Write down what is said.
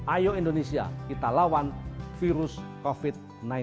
ayo indonesia kita lawan virus covid sembilan belas